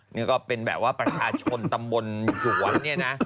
นี่ก็เป็นแบบว่าประชาชนตำบลสวนเนี่ยนะ